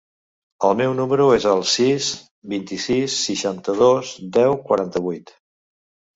El meu número es el sis, vint-i-sis, seixanta-dos, deu, quaranta-vuit.